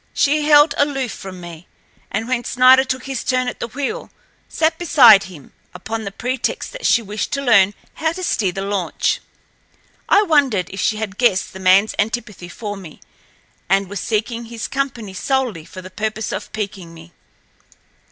She held aloof from me, and when Snider took his turn at the wheel, sat beside him, upon the pretext that she wished to learn how to steer the launch. I wondered if she had guessed the manl's antipathy for me, and was seeking his company solely for the purpose of piquing me.